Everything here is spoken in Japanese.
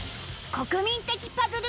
国民的パズル